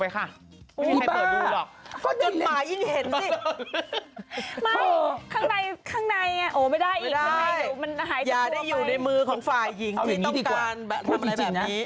ที่ต้องการทำอะไรแบบนี้เอาอย่างนี้ดีกว่าพูดจริงนะ